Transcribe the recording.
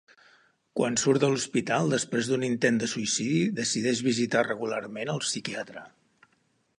Quan surt de l'hospital després d'un intent de suïcidi decideix visitar regularment el psiquiatre.